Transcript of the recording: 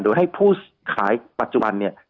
โดยให้ผู้ขายปัจจุบัน